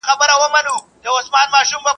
تاریخي کرنه د سخت کار غوښتونکې وه.